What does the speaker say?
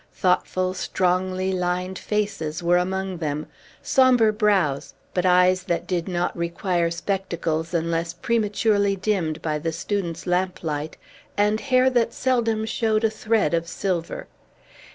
Thoughtful, strongly lined faces were among them; sombre brows, but eyes that did not require spectacles, unless prematurely dimmed by the student's lamplight, and hair that seldom showed a thread of silver.